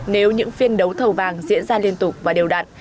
nếu những phiên đấu thầu vàng diễn ra liên tục và đều đặn